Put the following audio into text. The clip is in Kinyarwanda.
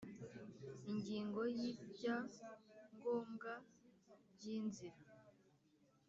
Ingingo yi bya ngombwa byinzira